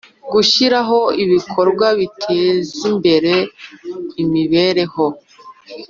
Gushyiraho ibikorwa bitezimbere imibereho